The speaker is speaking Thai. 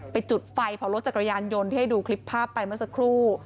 จุดไฟเผารถจักรยานยนต์ที่ให้ดูคลิปภาพไปเมื่อสักครู่